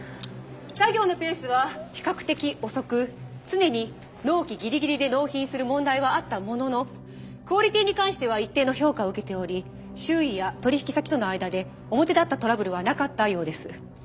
作業のペースは比較的遅く常に納期ギリギリで納品する問題はあったもののクオリティーに関しては一定の評価を受けており周囲や取引先との間で表立ったトラブルはなかったようです。